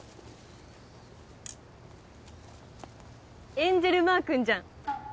エンジェルまークンじゃん！